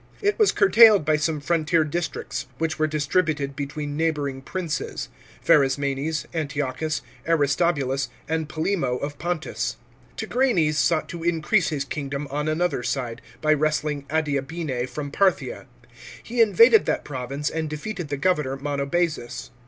It was curtailed by some frontier districts, which were distributed between neighbouring princes — Pharasmanes, Antiochus, Aristobulus, and Polemo of Pontus. Tigranes sought to increase his kingdom on another side, by wresting Adiabene from Parthia. He invaded that province and defeated the governor Monobazus.